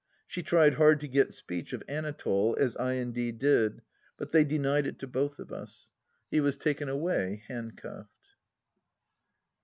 She tried hard to get speech of Anatole, as I indeed did, but they denied it to both of us. He was taken away handcuffed.